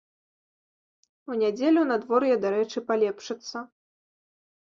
У нядзелю надвор'е, дарэчы, палепшыцца.